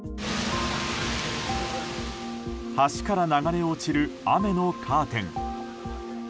橋から流れ落ちる雨のカーテン。